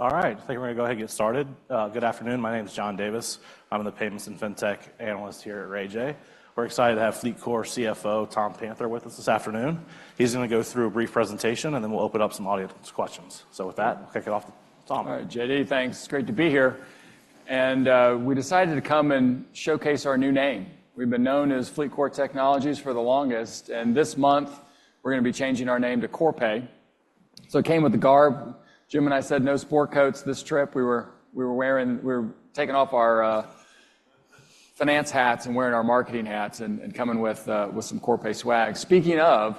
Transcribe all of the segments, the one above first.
All right, I think we're going to go ahead and get started. Good afternoon, my name is John Davis. I'm the Payments and Fintech Analyst here at RayJay. We're excited to have FLEETCOR's CFO Tom Panther with us this afternoon. He's going to go through a brief presentation, and then we'll open up some audience questions. So with that, we'll kick it off to Tom. All right, JD, thanks. It's great to be here. We decided to come and showcase our new name. We've been known as FLEETCOR Technologies for the longest, and this month we're going to be changing our name to Corpay. It came with the garb. Jim and I said no sport coats this trip. We were taking off our finance hats and wearing our marketing hats and coming with some Corpay swag. Speaking of,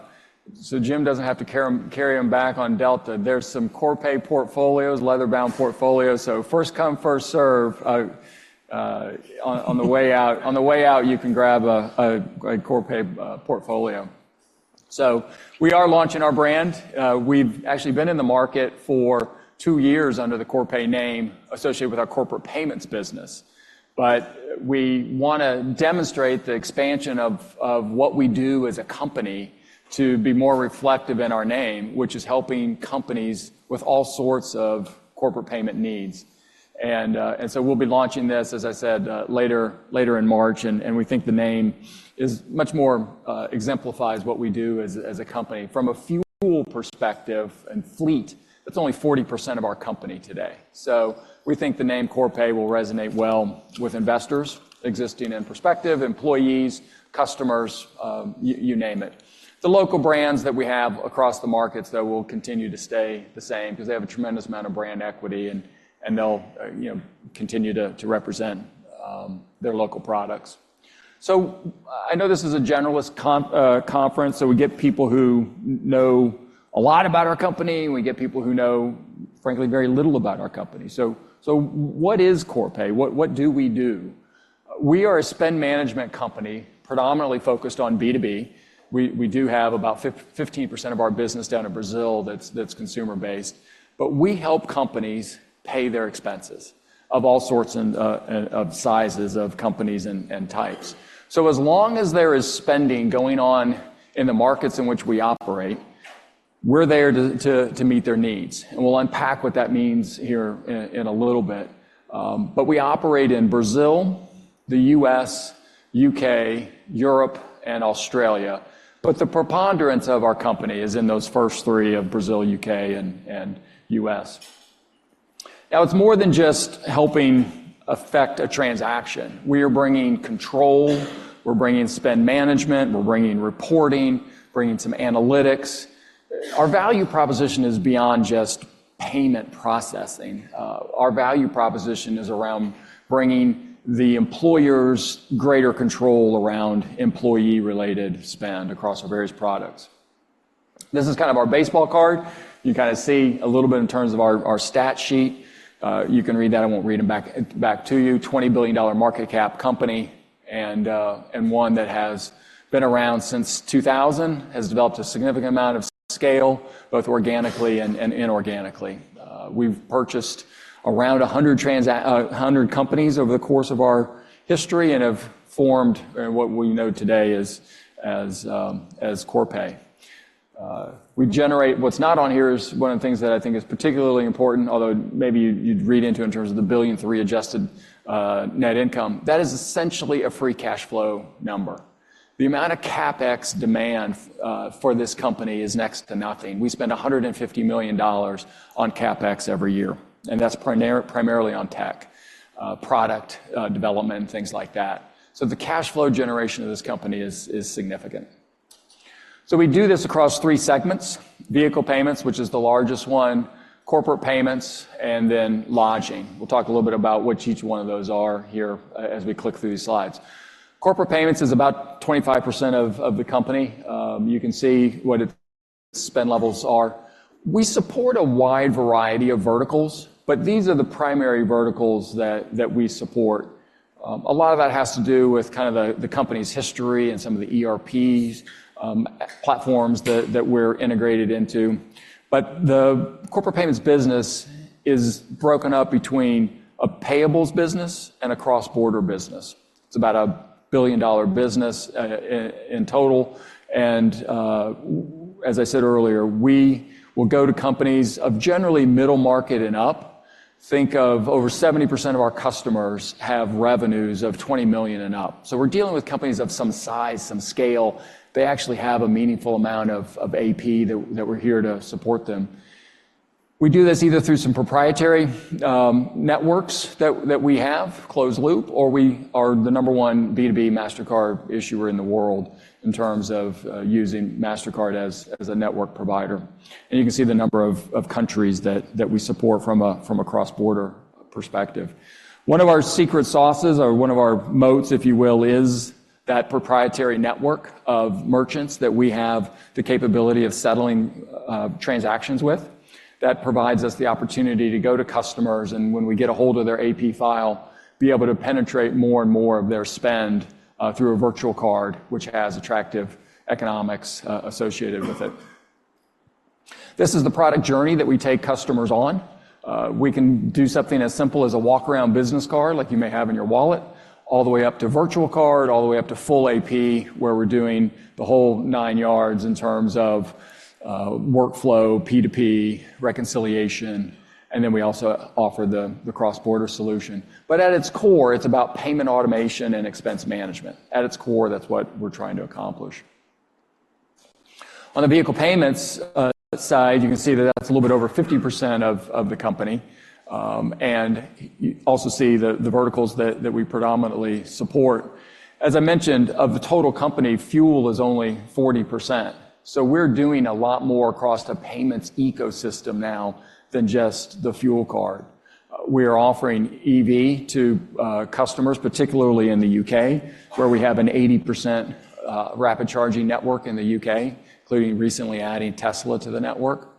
so Jim doesn't have to carry them back on Delta, there's some Corpay portfolios, leatherbound portfolios. First come, first serve. On the way out, you can grab a Corpay portfolio. We are launching our brand. We've actually been in the market for two years under the Corpay name associated with our corporate payments business. We want to demonstrate the expansion of what we do as a company to be more reflective in our name, which is helping companies with all sorts of corporate payment needs. So we'll be launching this, as I said, later in March, and we think the name much more exemplifies what we do as a company. From a fuel perspective and fleet, that's only 40% of our company today. So we think the name Corpay will resonate well with investors, existing and prospective, employees, customers, you name it. The local brands that we have across the markets, though, will continue to stay the same because they have a tremendous amount of brand equity, and they'll continue to represent their local products. So I know this is a generalist conference, so we get people who know a lot about our company, and we get people who know, frankly, very little about our company. So what is Corpay? What do we do? We are a spend management company predominantly focused on B2B. We do have about 15% of our business down in Brazil that's consumer-based. But we help companies pay their expenses of all sorts and sizes of companies and types. So as long as there is spending going on in the markets in which we operate, we're there to meet their needs. And we'll unpack what that means here in a little bit. But we operate in Brazil, the U.S., U.K., Europe, and Australia. But the preponderance of our company is in those first three of Brazil, U.K., and U.S. Now, it's more than just helping affect a transaction. We are bringing control, we're bringing spend management, we're bringing reporting, bringing some analytics. Our value proposition is beyond just payment processing. Our value proposition is around bringing the employers greater control around employee-related spend across our various products. This is kind of our baseball card. You can kind of see a little bit in terms of our stat sheet. You can read that; I won't read it back to you. $20 billion market cap company and one that has been around since 2000 has developed a significant amount of scale, both organically and inorganically. We've purchased around 100 companies over the course of our history and have formed what we know today as Corpay. What's not on here is one of the things that I think is particularly important, although maybe you'd read into in terms of the $1.3 billion adjusted net income. That is essentially a free cash flow number. The amount of CapEx demand for this company is next to nothing. We spend $150 million on CapEx every year, and that's primarily on tech, product development, things like that. So the cash flow generation of this company is significant. So we do this across three segments: vehicle payments, which is the largest one, corporate payments, and then lodging. We'll talk a little bit about what each one of those are here as we click through these slides. Corporate payments is about 25% of the company. You can see what its spend levels are. We support a wide variety of verticals, but these are the primary verticals that we support. A lot of that has to do with kind of the company's history and some of the ERP platforms that we're integrated into. But the corporate payments business is broken up between a payables business and a cross-border business. It's about a $1 billion business in total. And as I said earlier, we will go to companies of generally middle market and up. Think of over 70% of our customers have revenues of $20 million and up. So we're dealing with companies of some size, some scale. They actually have a meaningful amount of AP that we're here to support them. We do this either through some proprietary networks that we have, closed loop, or we are the number one B2B Mastercard issuer in the world in terms of using Mastercard as a network provider. And you can see the number of countries that we support from a cross-border perspective. One of our secret sauces, or one of our moats, if you will, is that proprietary network of merchants that we have the capability of settling transactions with. That provides us the opportunity to go to customers and, when we get a hold of their AP file, be able to penetrate more and more of their spend through a virtual card, which has attractive economics associated with it. This is the product journey that we take customers on. We can do something as simple as a walk-around business card like you may have in your wallet, all the way up to virtual card, all the way up to full AP, where we're doing the whole nine yards in terms of workflow, P2P, reconciliation. And then we also offer the cross-border solution. But at its core, it's about payment automation and expense management. At its core, that's what we're trying to accomplish. On the vehicle payments side, you can see that that's a little bit over 50% of the company. You also see the verticals that we predominantly support. As I mentioned, of the total company, fuel is only 40%. We're doing a lot more across the payments ecosystem now than just the fuel card. We are offering EV to customers, particularly in the U.K., where we have an 80% rapid charging network in the U.K., including recently adding Tesla to the network.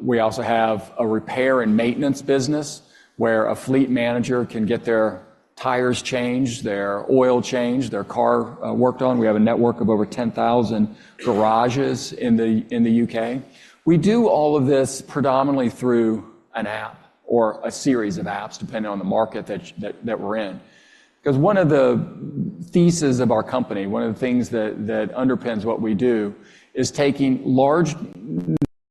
We also have a repair and maintenance business where a fleet manager can get their tires changed, their oil changed, their car worked on. We have a network of over 10,000 garages in the U.K. We do all of this predominantly through an app or a series of apps, depending on the market that we're in. Because one of the theses of our company, one of the things that underpins what we do, is taking large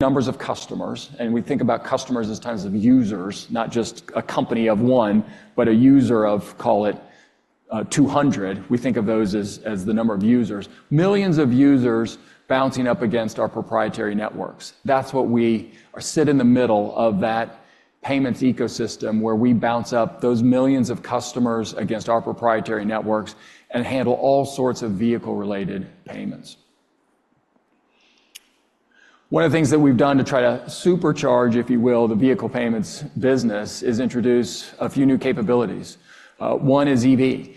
numbers of customers. We think about customers as times of users, not just a company of one, but a user of, call it, 200. We think of those as the number of users. Millions of users bouncing up against our proprietary networks. That's what we sit in the middle of that payments ecosystem where we bounce up those millions of customers against our proprietary networks and handle all sorts of vehicle-related payments. One of the things that we've done to try to supercharge, if you will, the vehicle payments business is introduce a few new capabilities. One is EV.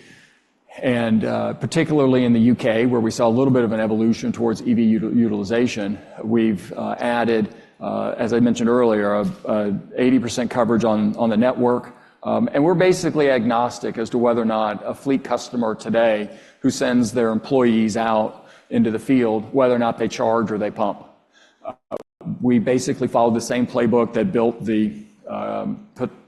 Particularly in the U.K., where we saw a little bit of an evolution towards EV utilization, we've added, as I mentioned earlier, 80% coverage on the network. We're basically agnostic as to whether or not a fleet customer today who sends their employees out into the field, whether or not they charge or they pump. We basically follow the same playbook that built the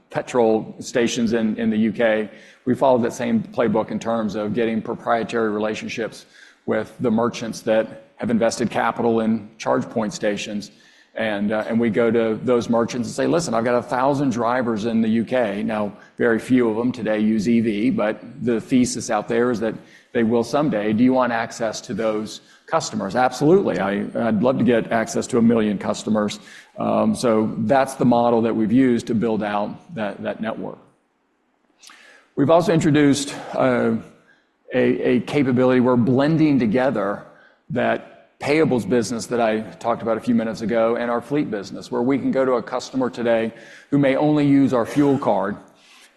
petrol stations in the U.K. We follow that same playbook in terms of getting proprietary relationships with the merchants that have invested capital in charge point stations. And we go to those merchants and say, "Listen, I've got 1,000 drivers in the U.K." Now, very few of them today use EV, but the thesis out there is that they will someday. Do you want access to those customers? Absolutely. I'd love to get access to 1 million customers. So that's the model that we've used to build out that network. We've also introduced a capability. We're blending together that payables business that I talked about a few minutes ago and our fleet business, where we can go to a customer today who may only use our fuel card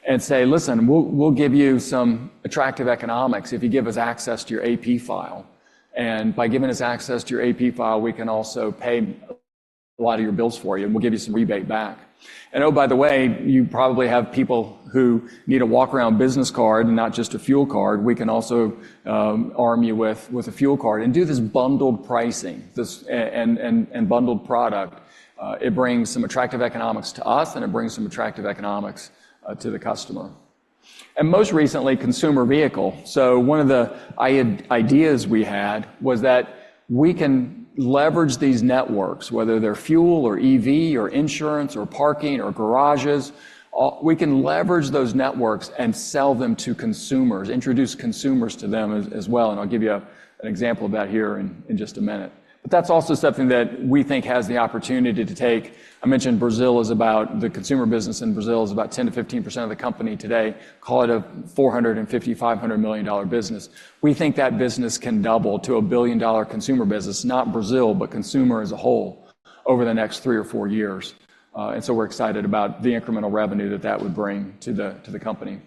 and say, "Listen, we'll give you some attractive economics if you give us access to your AP file. And by giving us access to your AP file, we can also pay a lot of your bills for you, and we'll give you some rebate back." And oh, by the way, you probably have people who need a walk-around business card and not just a fuel card. We can also arm you with a fuel card and do this bundled pricing and bundled product. It brings some attractive economics to us, and it brings some attractive economics to the customer. And most recently, consumer vehicle. So one of the ideas we had was that we can leverage these networks, whether they're fuel or EV or insurance or parking or garages. We can leverage those networks and sell them to consumers, introduce consumers to them as well. And I'll give you an example of that here in just a minute. But that's also something that we think has the opportunity to take. I mentioned Brazil is about the consumer business in Brazil is about 10%-15% of the company today. Call it a $450 million-$500 million business. We think that business can double to a $1 billion consumer business, not Brazil, but consumer as a whole over the next three or four years. And so we're excited about the incremental revenue that that would bring to the company.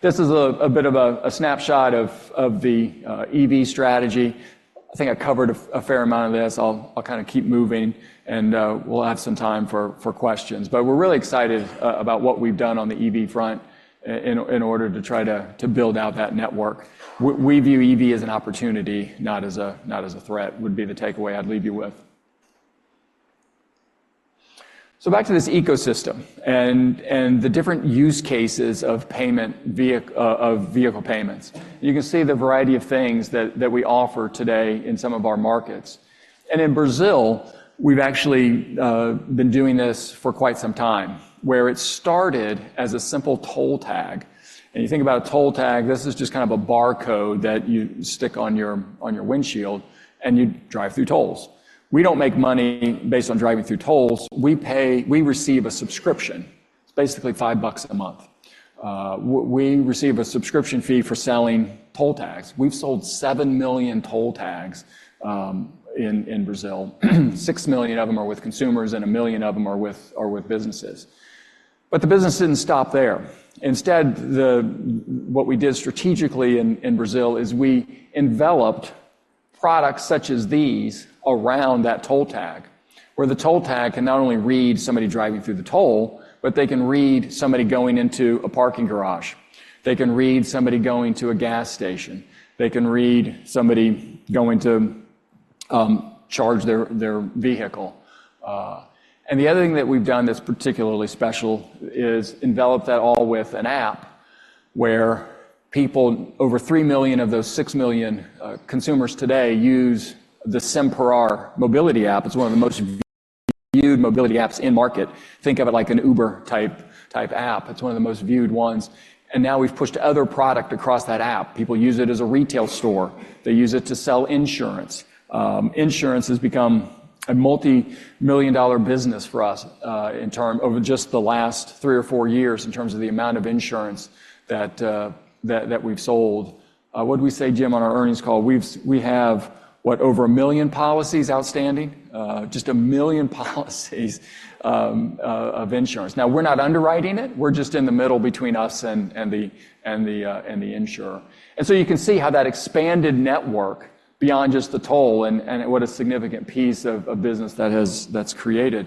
This is a bit of a snapshot of the EV strategy. I think I covered a fair amount of this. I'll kind of keep moving, and we'll have some time for questions. But we're really excited about what we've done on the EV front in order to try to build out that network. We view EV as an opportunity, not as a threat, would be the takeaway I'd leave you with. So back to this ecosystem and the different use cases of vehicle payments. You can see the variety of things that we offer today in some of our markets. And in Brazil, we've actually been doing this for quite some time, where it started as a simple toll tag. And you think about a toll tag, this is just kind of a barcode that you stick on your windshield, and you drive through tolls. We don't make money based on driving through tolls. We receive a subscription. It's basically $5 a month. We receive a subscription fee for selling toll tags. We've sold 7 million toll tags in Brazil. 6 million of them are with consumers, and 1 million of them are with businesses. But the business didn't stop there. Instead, what we did strategically in Brazil is we enveloped products such as these around that toll tag, where the toll tag can not only read somebody driving through the toll, but they can read somebody going into a parking garage. They can read somebody going to a gas station. They can read somebody going to charge their vehicle. And the other thing that we've done that's particularly special is enveloped that all with an app where people, over 3 million of those 6 million consumers today, use the Sem Parar mobility app. It's one of the most viewed mobility apps in market. Think of it like an Uber type app. It's one of the most viewed ones. And now we've pushed other product across that app. People use it as a retail store. They use it to sell insurance. Insurance has become a multi-million dollar business for us in terms over just the last three or four years in terms of the amount of insurance that we've sold. What did we say, Jim, on our earnings call? We have what, over 1 million policies outstanding, just 1 million policies of insurance. Now, we're not underwriting it. We're just in the middle between us and the insurer. And so you can see how that expanded network beyond just the toll and what a significant piece of business that's created.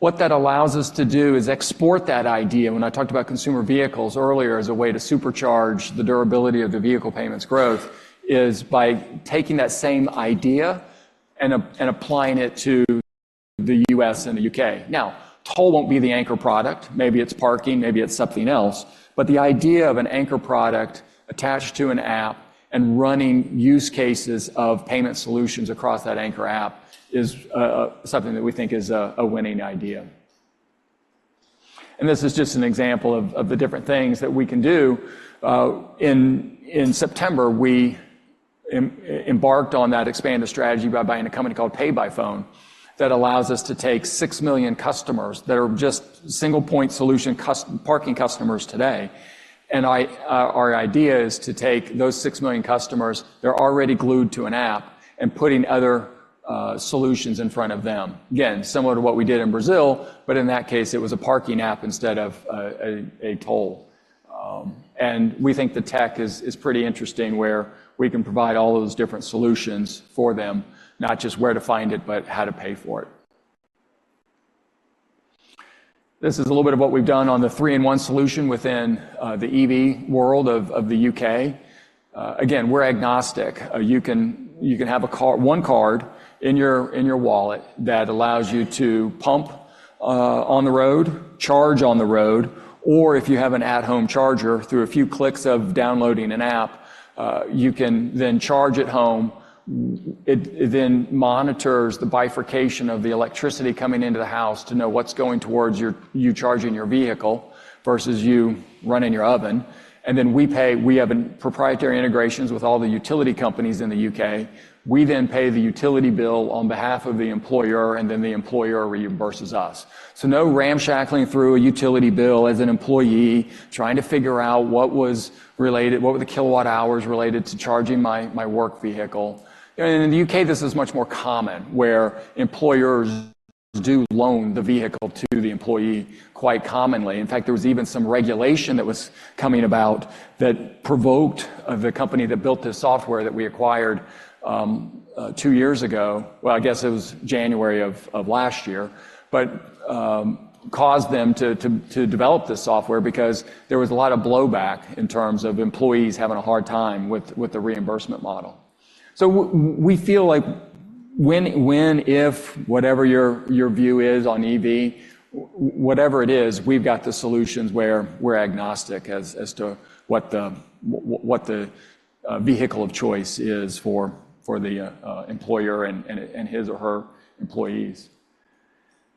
What that allows us to do is export that idea. When I talked about consumer vehicles earlier as a way to supercharge the durability of the vehicle payments growth is by taking that same idea and applying it to the U.S. and the U.K. Now, toll won't be the anchor product. Maybe it's parking. Maybe it's something else. But the idea of an anchor product attached to an app and running use cases of payment solutions across that anchor app is something that we think is a winning idea. And this is just an example of the different things that we can do. In September, we embarked on that expanded strategy by buying a company called PayByPhone that allows us to take 6 million customers that are just single point solution parking customers today. Our idea is to take those 6 million customers that are already glued to an app and putting other solutions in front of them. Again, similar to what we did in Brazil, but in that case, it was a parking app instead of a toll. And we think the tech is pretty interesting where we can provide all those different solutions for them, not just where to find it, but how to pay for it. This is a little bit of what we've done on the 3-in-1 solution within the EV world of the U.K. Again, we're agnostic. You can have one card in your wallet that allows you to pump on the road, charge on the road, or if you have an at-home charger, through a few clicks of downloading an app, you can then charge at home. It then monitors the bifurcation of the electricity coming into the house to know what's going towards you charging your vehicle versus you running your oven. And then we pay. We have proprietary integrations with all the utility companies in the U.K. We then pay the utility bill on behalf of the employer, and then the employer reimburses us. So no ransacking through a utility bill as an employee trying to figure out what was related, what were the kilowatt hours related to charging my work vehicle. And in the U.K., this is much more common, where employers do loan the vehicle to the employee quite commonly. In fact, there was even some regulation that was coming about that provoked the company that built this software that we acquired two years ago. Well, I guess it was January of last year, but caused them to develop this software because there was a lot of blowback in terms of employees having a hard time with the reimbursement model. So we feel like when, if, whatever your view is on EV, whatever it is, we've got the solutions where we're agnostic as to what the vehicle of choice is for the employer and his or her employees.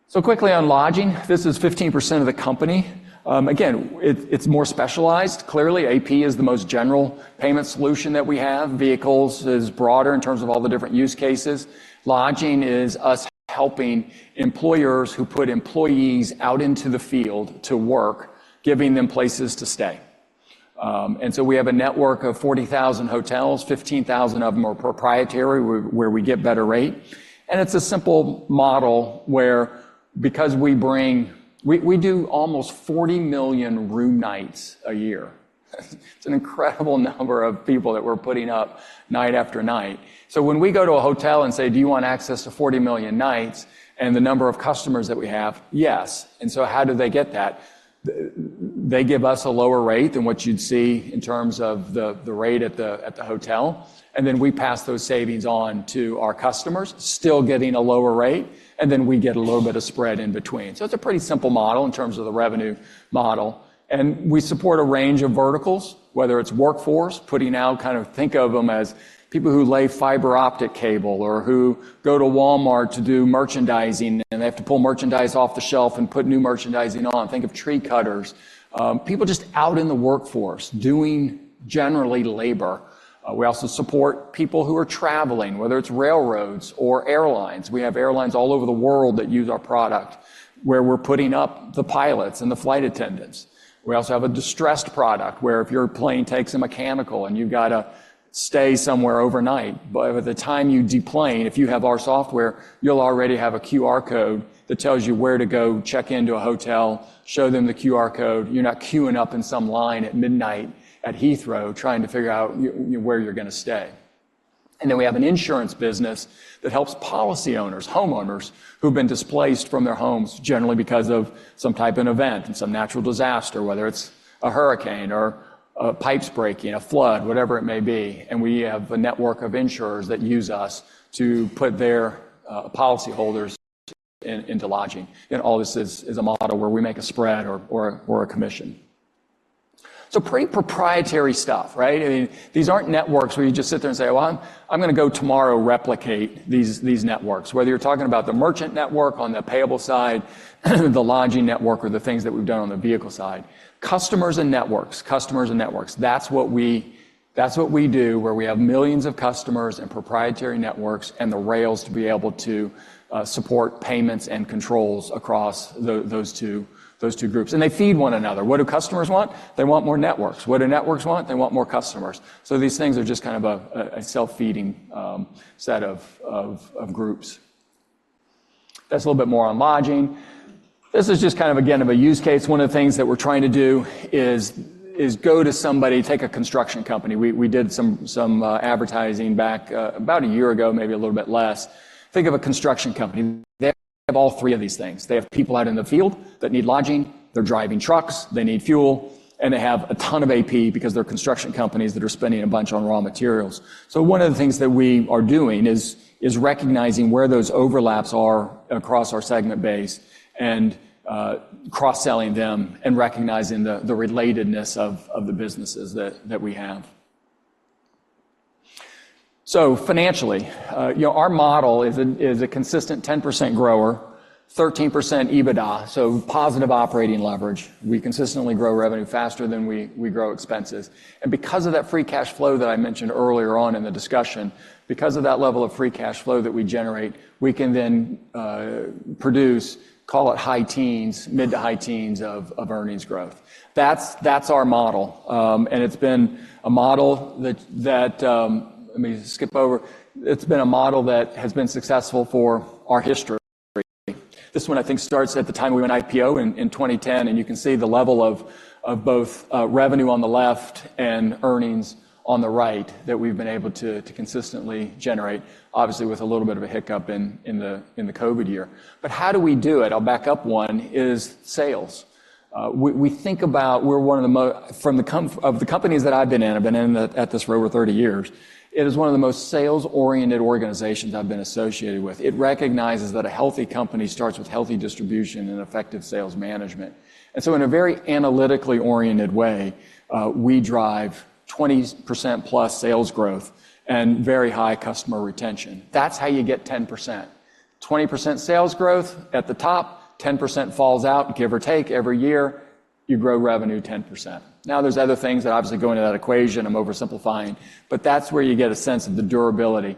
So quickly on lodging, this is 15% of the company. Again, it's more specialized. Clearly, AP is the most general payment solution that we have. Vehicles is broader in terms of all the different use cases. Lodging is us helping employers who put employees out into the field to work, giving them places to stay. And so we have a network of 40,000 hotels, 15,000 of them are proprietary where we get better rate. And it's a simple model where because we bring we do almost 40 million room nights a year. It's an incredible number of people that we're putting up night after night. So when we go to a hotel and say, "Do you want access to 40 million nights?" and the number of customers that we have, "Yes." And so how do they get that? They give us a lower rate than what you'd see in terms of the rate at the hotel. And then we pass those savings on to our customers, still getting a lower rate. And then we get a little bit of spread in between. So it's a pretty simple model in terms of the revenue model. We support a range of verticals, whether it's workforce, putting out kind of think of them as people who lay fiber optic cable or who go to Walmart to do merchandising, and they have to pull merchandise off the shelf and put new merchandising on. Think of tree cutters. People just out in the workforce doing generally labor. We also support people who are traveling, whether it's railroads or airlines. We have airlines all over the world that use our product where we're putting up the pilots and the flight attendants. We also have a distressed product where if your plane takes a mechanical and you've got to stay somewhere overnight, by the time you deplane, if you have our software, you'll already have a QR code that tells you where to go check into a hotel, show them the QR code. You're not queuing up in some line at midnight at Heathrow trying to figure out where you're going to stay. And then we have an insurance business that helps policy owners, homeowners who've been displaced from their homes, generally because of some type of event and some natural disaster, whether it's a hurricane or pipes breaking, a flood, whatever it may be. And we have a network of insurers that use us to put their policyholders into lodging. And all this is a model where we make a spread or a commission. So pretty proprietary stuff, right? I mean, these aren't networks where you just sit there and say, "Well, I'm going to go tomorrow replicate these networks," whether you're talking about the merchant network on the payable side, the lodging network, or the things that we've done on the vehicle side. Customers and networks, customers and networks, that's what we do where we have millions of customers and proprietary networks and the rails to be able to support payments and controls across those two groups. And they feed one another. What do customers want? They want more networks. What do networks want? They want more customers. So these things are just kind of a self-feeding set of groups. That's a little bit more on lodging. This is just kind of, again, of a use case. One of the things that we're trying to do is go to somebody, take a construction company. We did some advertising back about a year ago, maybe a little bit less. Think of a construction company. They have all three of these things. They have people out in the field that need lodging. They're driving trucks. They need fuel. And they have a ton of AP because they're construction companies that are spending a bunch on raw materials. So one of the things that we are doing is recognizing where those overlaps are across our segment base and cross-selling them and recognizing the relatedness of the businesses that we have. So financially, our model is a consistent 10% grower, 13% EBITDA, so positive operating leverage. We consistently grow revenue faster than we grow expenses. And because of that free cash flow that I mentioned earlier on in the discussion, because of that level of free cash flow that we generate, we can then produce, call it high teens, mid to high teens of earnings growth. That's our model. And it's been a model that let me skip over. It's been a model that has been successful for our history. This one, I think, starts at the time we went IPO in 2010. You can see the level of both revenue on the left and earnings on the right that we've been able to consistently generate, obviously with a little bit of a hiccup in the COVID year. But how do we do it? I'll back up. One is sales. We think about, we're one of the most from the companies that I've been in. I've been in this role for 30 years. It is one of the most sales-oriented organizations I've been associated with. It recognizes that a healthy company starts with healthy distribution and effective sales management. So in a very analytically oriented way, we drive 20%+ sales growth and very high customer retention. That's how you get 10%. 20% sales growth at the top, 10% falls out, give or take, every year, you grow revenue 10%. Now, there's other things that obviously go into that equation. I'm oversimplifying. But that's where you get a sense of the durability.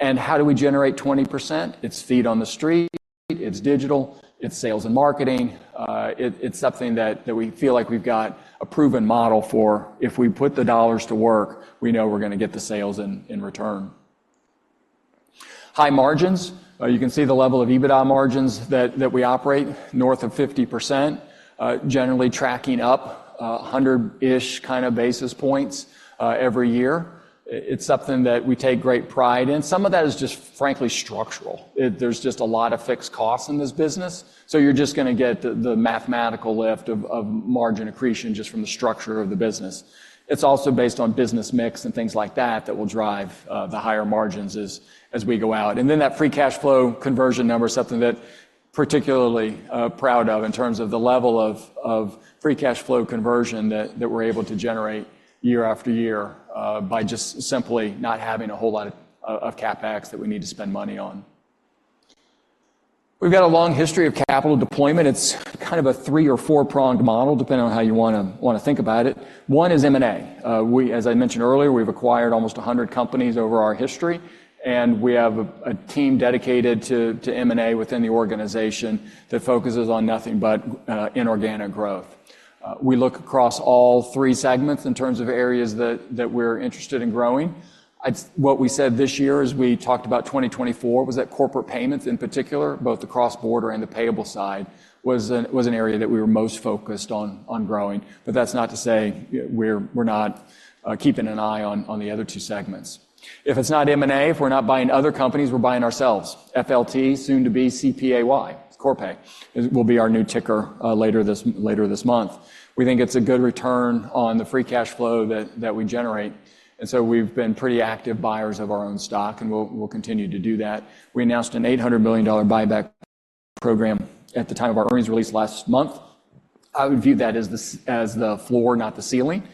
And how do we generate 20%? It's feet on the street. It's digital. It's sales and marketing. It's something that we feel like we've got a proven model for. If we put the dollars to work, we know we're going to get the sales in return. High margins. You can see the level of EBITDA margins that we operate, north of 50%, generally tracking up 100-ish kind of basis points every year. It's something that we take great pride in. Some of that is just, frankly, structural. There's just a lot of fixed costs in this business. So you're just going to get the mathematical lift of margin accretion just from the structure of the business. It's also based on business mix and things like that that will drive the higher margins as we go out. And then that free cash flow conversion number is something that I'm particularly proud of in terms of the level of free cash flow conversion that we're able to generate year after year by just simply not having a whole lot of CapEx that we need to spend money on. We've got a long history of capital deployment. It's kind of a 3 or 4-pronged model, depending on how you want to think about it. One is M&A. As I mentioned earlier, we've acquired almost 100 companies over our history. And we have a team dedicated to M&A within the organization that focuses on nothing but inorganic growth. We look across all three segments in terms of areas that we're interested in growing. What we said this year as we talked about 2024, was that corporate payments in particular, both cross-border and the payable side, was an area that we were most focused on growing. But that's not to say we're not keeping an eye on the other two segments. If it's not M&A, if we're not buying other companies, we're buying ourselves. FLT, soon to be CPAY, Corpay, will be our new ticker later this month. We think it's a good return on the free cash flow that we generate. And so we've been pretty active buyers of our own stock, and we'll continue to do that. We announced an $800 million buyback program at the time of our earnings release last month. I would view that as the floor, not the ceiling,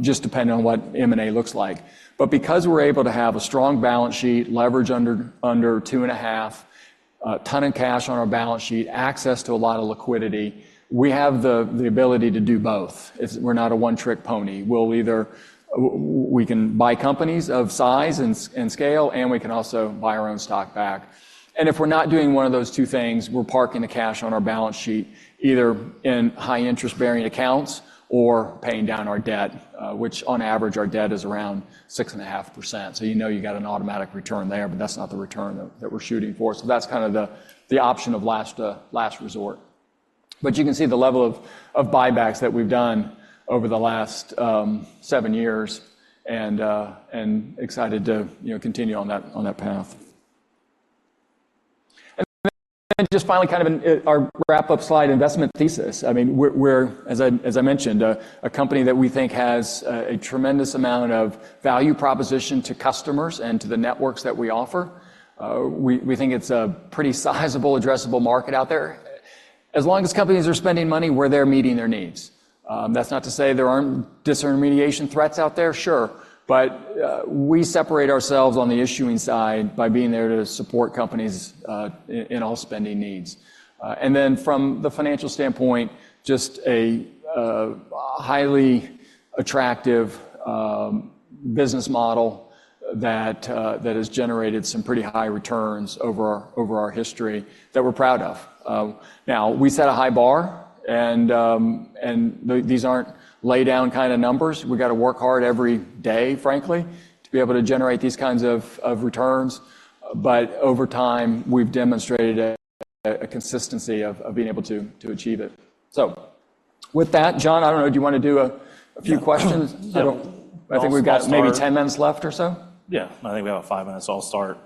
just depending on what M&A looks like. But because we're able to have a strong balance sheet, leverage under 2.5, a ton of cash on our balance sheet, access to a lot of liquidity, we have the ability to do both. We're not a one-trick pony. We can buy companies of size and scale, and we can also buy our own stock back. And if we're not doing one of those two things, we're parking the cash on our balance sheet, either in high-interest bearing accounts or paying down our debt, which on average, our debt is around 6.5%. So you know you've got an automatic return there, but that's not the return that we're shooting for. So that's kind of the option of last resort. But you can see the level of buybacks that we've done over the last seven years, and excited to continue on that path. And then just finally, kind of our wrap-up slide, investment thesis. I mean, we're, as I mentioned, a company that we think has a tremendous amount of value proposition to customers and to the networks that we offer. We think it's a pretty sizable, addressable market out there. As long as companies are spending money, we're there meeting their needs. That's not to say there aren't disintermediation threats out there, sure. But we separate ourselves on the issuing side by being there to support companies in all spending needs. And then from the financial standpoint, just a highly attractive business model that has generated some pretty high returns over our history that we're proud of. Now, we set a high bar, and these aren't laydown kind of numbers. We got to work hard every day, frankly, to be able to generate these kinds of returns. But over time, we've demonstrated a consistency of being able to achieve it. So with that, John, I don't know, do you want to do a few questions? I think we've got maybe 10 minutes left or so. Yeah. I think we have about 5 minutes. I'll start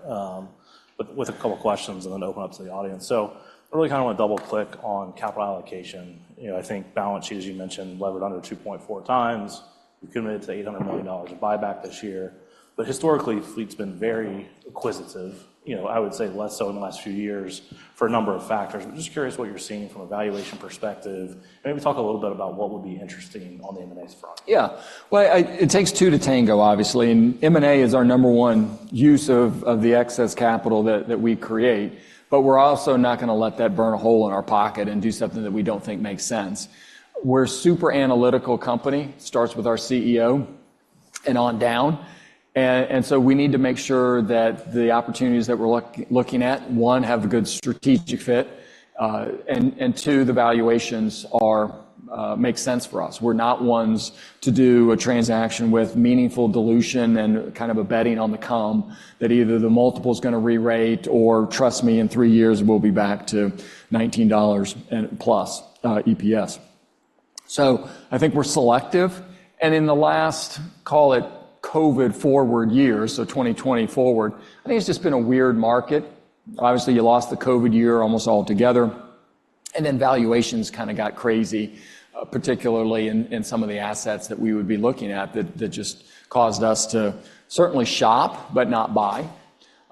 with a couple of questions and then open up to the audience. So I really kind of want to double-click on capital allocation. I think balance sheet, as you mentioned, levered under 2.4 times. We committed to $800 million of buyback this year. But historically, Fleet's been very acquisitive, I would say less so in the last few years for a number of factors. I'm just curious what you're seeing from a valuation perspective. Maybe talk a little bit about what would be interesting on the M&A front. Yeah. Well, it takes two to tango, obviously. M&A is our number one use of the excess capital that we create. We're also not going to let that burn a hole in our pocket and do something that we don't think makes sense. We're a super analytical company, starts with our CEO and on down. So we need to make sure that the opportunities that we're looking at, one, have a good strategic fit, and two, the valuations make sense for us. We're not ones to do a transaction with meaningful dilution and kind of a betting on the come that either the multiple is going to re-rate or, trust me, in three years, we'll be back to $19+ EPS. I think we're selective. In the last, call it COVID-forward year, so 2020 forward, I think it's just been a weird market. Obviously, you lost the COVID year almost altogether. Then valuations kind of got crazy, particularly in some of the assets that we would be looking at that just caused us to certainly shop but not buy.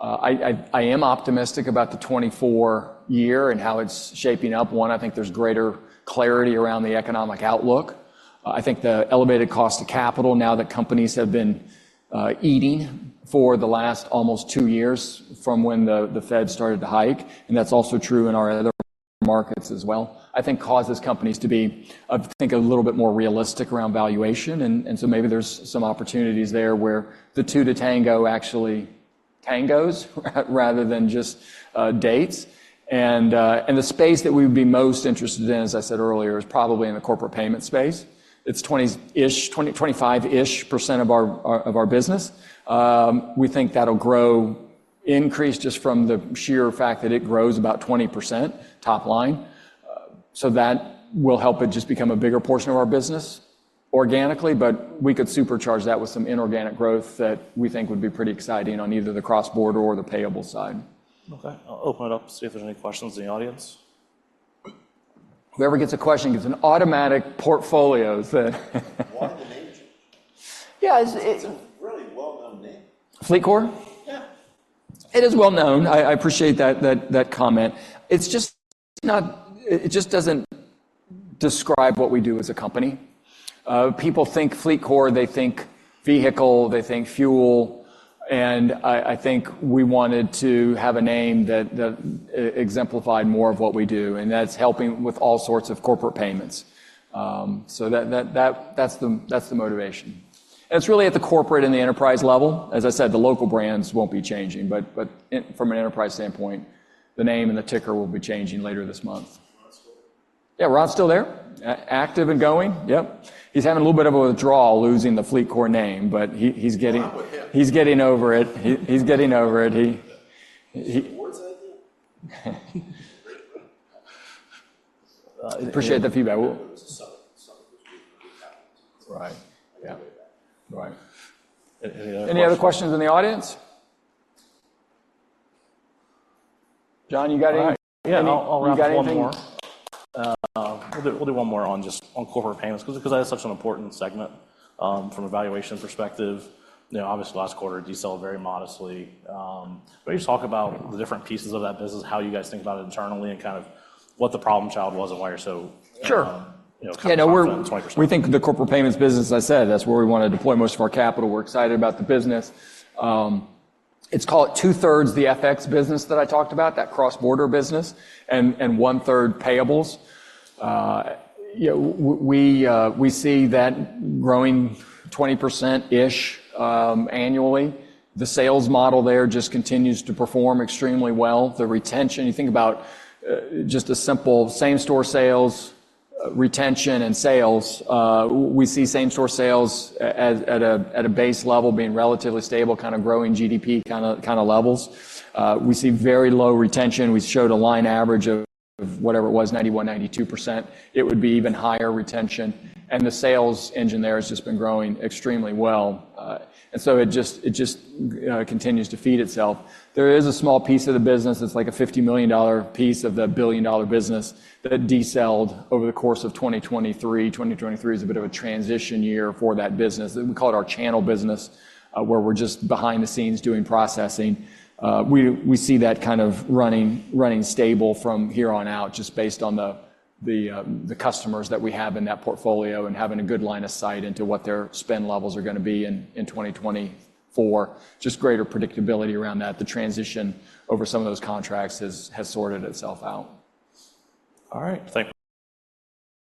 I am optimistic about the 2024 year and how it's shaping up. One, I think there's greater clarity around the economic outlook. I think the elevated cost of capital now that companies have been eating for the last almost two years from when the Fed started to hike - and that's also true in our other markets as well - I think causes companies to be, I think, a little bit more realistic around valuation. So maybe there's some opportunities there where the two to tango actually tangos rather than just dates. The space that we would be most interested in, as I said earlier, is probably in the corporate payment space. It's 20%-ish, 25%-ish% of our business. We think that'll grow, increase just from the sheer fact that it grows about 20% top line. So that will help it just become a bigger portion of our business organically. But we could supercharge that with some inorganic growth that we think would be pretty exciting on either the cross-border or the payable side. Okay. I'll open it up to see if there's any questions in the audience. Whoever gets a question gets an automatic portfolio that. What is the name? Yeah. It's a really well-known name. FLEETCOR? Yeah. It is well-known. I appreciate that comment. It just doesn't describe what we do as a company. People think FLEETCOR, they think vehicle, they think fuel. And I think we wanted to have a name that exemplified more of what we do. And that's helping with all sorts of corporate payments. So that's the motivation. And it's really at the corporate and the enterprise level. As I said, the local brands won't be changing. But from an enterprise standpoint, the name and the ticker will be changing later this month. Ron still there? Yeah. Ron still there? Active and going? Yep. He's having a little bit of a withdrawal, losing the FLEETCOR name. But he's getting over it. He's getting over it. He. Appreciate the feedback. Right. Yeah. Right. Any other questions in the audience? John, you got any? Yeah. I mean. You got anything? We'll do one more on corporate payments because I had such an important segment from a valuation perspective. Obviously, last quarter, you sell very modestly. But just talk about the different pieces of that business, how you guys think about it internally, and kind of what the problem child was and why you're so kind of 20%. Sure. Yeah. We think the corporate payments business, as I said, that's where we want to deploy most of our capital. We're excited about the business. It's called two-thirds the FX business that I talked about, that cross-border business, and one-third payables. We see that growing 20%-ish annually. The sales model there just continues to perform extremely well. The retention, you think about just a simple same-store sales, retention, and sales, we see same-store sales at a base level being relatively stable, kind of growing GDP kind of levels. We see very low retention. We showed a line average of whatever it was, 91%-92%. It would be even higher retention. And the sales engine there has just been growing extremely well. And so it just continues to feed itself. There is a small piece of the business that's like a $50 million piece of the billion-dollar business that decelled over the course of 2023. 2023 is a bit of a transition year for that business. We call it our channel business, where we're just behind the scenes doing processing. We see that kind of running stable from here on out just based on the customers that we have in that portfolio and having a good line of sight into what their spend levels are going to be in 2024. Just greater predictability around that. The transition over some of those contracts has sorted itself out. All right. Thank you.